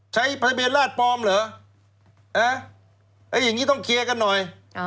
ใช้ทะเบียนราชปลอมเหรออย่างนี้ต้องเคลียร์กันหน่อย